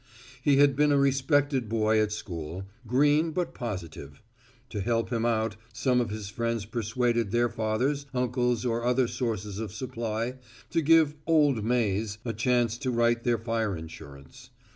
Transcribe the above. He had been a respected boy at school, green but positive. To help him out, some of his friends persuaded their fathers, uncles or other sources of supply to give "Old Mase" a chance to write their fire insurance.